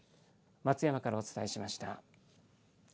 松山からお伝えしました。